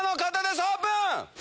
オープン！